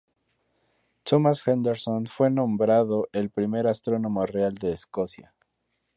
Thomas Henderson fue nombrado el primer Astrónomo Real de Escocia.